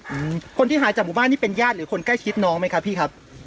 อืมคนที่หายจากหมู่บ้านนี่เป็นญาติหรือคนใกล้ชิดน้องไหมครับพี่ครับ